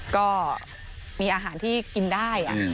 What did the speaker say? ก็มีอาหารที่กินได้